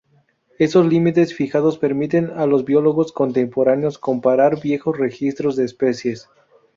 Esos límites fijados permiten a los biólogos contemporáneos comparar viejos registros de especies.